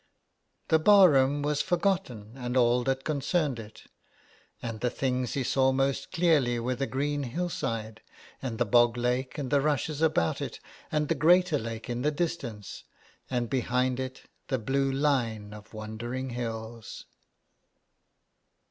The bar room was forgotten and all that concerned it and the things he saw most clearly were the green hillside, and the bog lake and the rushes about it, and the greater lake in the distance, and behind it the blue line of wandering hills.